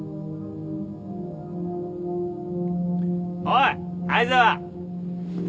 おい藍沢。